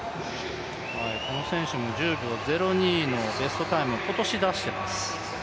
この選手も１０秒０２のベストタイムを今年出してます。